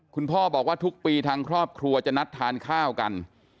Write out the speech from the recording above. คุณพ่อบอกว่าทุกปีทางครอบครัวจะนัดทานข้าวกัน